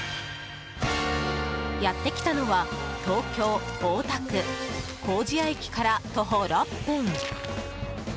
やってきたのは東京・大田区糀谷駅から徒歩６分